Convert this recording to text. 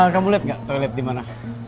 kamu lihat nggak toilet di mana